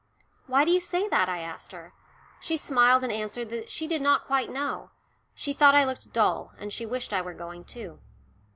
"Why do you say that?" I asked her. She smiled and answered that she did not quite know; she thought I looked dull, and she wished I were going too.